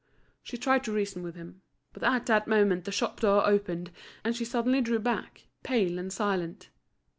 She tried to reason with him. But at that moment the shop door opened, and she suddenly drew back, pale and silent.